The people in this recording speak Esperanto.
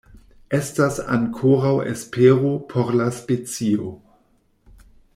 Estas ankoraŭ espero por la specio.